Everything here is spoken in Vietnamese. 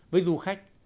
với du khách